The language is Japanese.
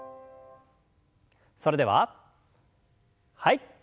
それでははい。